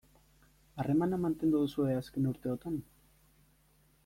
Harremana mantendu duzue azken urteotan?